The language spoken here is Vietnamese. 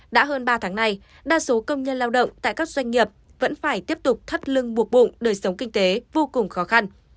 đã hơn ba tháng nay đa số công nhân lao động tại các doanh nghiệp vẫn phải tiếp tục thắt lưng buộc bụng đời sống kinh tế vô cùng khó khăn